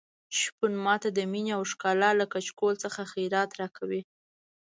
شپون ماته د مينې او ښکلا له کچکول څخه خیرات راکوي.